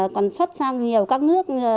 còn xuất sang nhiều các nước